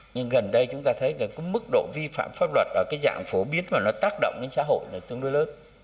nhưng gần đây chúng ta thấy là cái mức độ vi phạm pháp luật ở cái dạng phổ biến mà nó tác động đến xã hội là tương đối lớn